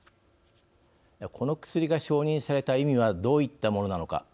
この薬が承認された意味はどういったものなのか。